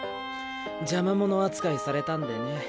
じゃま者扱いされたんでね。